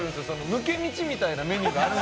抜け道みたいなメニューがある。